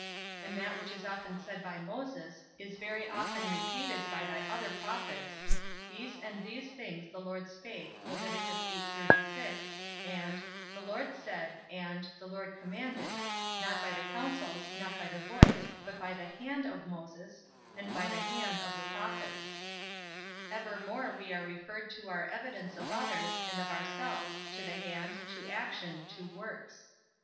And that which is often said by Moses, is very often repeated by thy other prophets, These and these things the Lord spake, and the Lord said, and the Lord commanded, not by the counsels, not by the voice, but by the hand of Moses, and by the hand of the prophets. Evermore we are referred for our evidence of others, and of ourselves, to the hand, to action, to works.